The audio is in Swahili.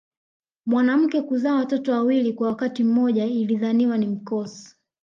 Mwanamke kuzaa watoto wawili kwa wakati mmoja ilidhaniwa ni mkosi